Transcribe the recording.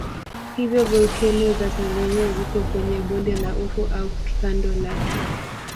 Hivyo volkeno za Tanzania ziko kwenye bonde la Ufa au kando lake.